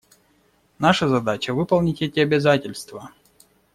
Наша задача — выполнить эти обязательства.